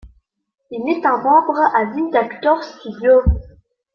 Il est un membre à vie d'Actors Studio.